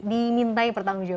dimintai pertanggung jawab